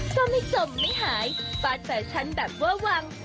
ก็ไม่จบไม่หายปาดแฝชชันแบบว่าวาง